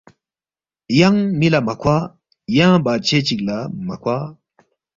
ینگ می لہ مہ کوا، ینگ بادشے چِک لہ مہ کوا،